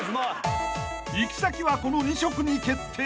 ［行き先はこの２色に決定］